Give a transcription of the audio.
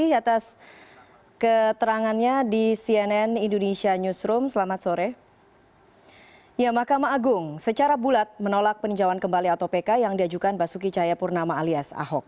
yang menyatakan bahwa mahkamah agung secara bulat menolak peninjauan kembali atau pk yang diajukan oleh basuki cahaya purnama alias ahok